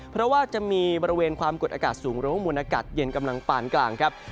เพราะว่าจะมีบริเวณความกดอากาศสูงหรือว่ามวลอากาศเย็นกำลังปานกลางครับ